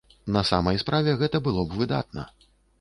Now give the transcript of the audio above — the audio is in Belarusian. На самай справе, гэта было б выдатна.